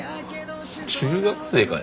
中学生かよ。